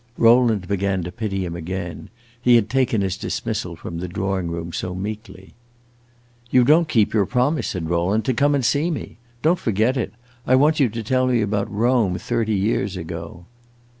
Rowland began to pity him again; he had taken his dismissal from the drawing room so meekly. "You don't keep your promise," said Rowland, "to come and see me. Don't forget it. I want you to tell me about Rome thirty years ago."